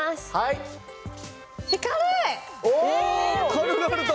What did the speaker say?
軽々と。